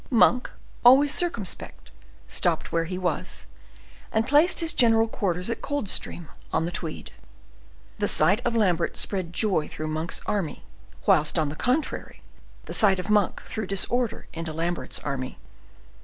Monk, always circumspect, stopped where he was, and placed his general quarters at Coldstream, on the Tweed. The sight of Lambert spread joy through Monk's army, whilst, on the contrary, the sight of Monk threw disorder into Lambert's army.